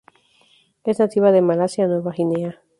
Es nativa de Malasia a Nueva Guinea.